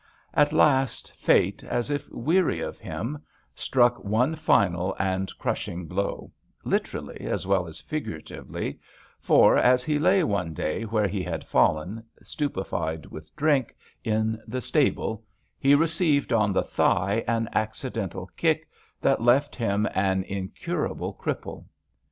At last Fate, as if weary of him, struck one final and crushing blow, literally as well as figuratively, for, as he lay one day, where he had fallen, stupefied with drink, in the stable, he received on the thigh an accidental kick that left him an incurable cripple.